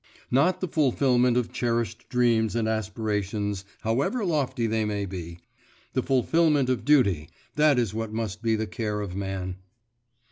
Not the fulfilment of cherished dreams and aspirations, however lofty they may be the fulfilment of duty, that is what must be the care of man.